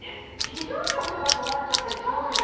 非常食とかにもなっちゃったりしますよね。